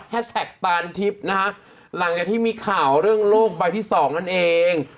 แท็กปานทิพย์นะฮะหลังจากที่มีข่าวเรื่องโลกใบที่สองนั่นเอง